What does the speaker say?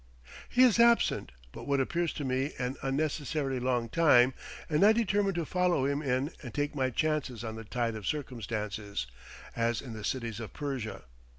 He is absent what appears to me an unnecessarily long time, and I determine to follow him in and take my chances on the tide of circumstances, as in the cities of Persia.